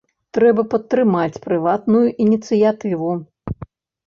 Трэба падтрымаць прыватную ініцыятыву.